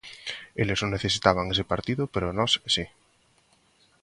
Eles non necesitaban ese partido, pero nós si.